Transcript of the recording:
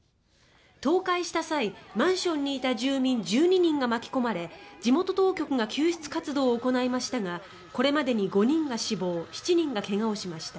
倒壊した際、マンションにいた住民１２人が巻き込まれ地元当局が救出活動を行いましたがこれまでに５人が死亡７人が怪我をしました。